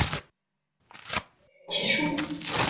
博新最后被刘家昌掏空而结束营业。